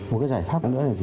một giải pháp nữa là